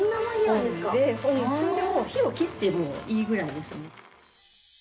それでもう火を切ってもいいくらいですね。